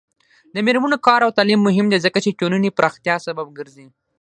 د میرمنو کار او تعلیم مهم دی ځکه چې ټولنې پراختیا سبب ګرځي.